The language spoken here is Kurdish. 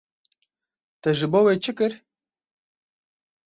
Te ji bo wê çi kir?